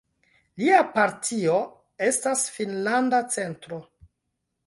Lia partio estas Finnlanda Centro.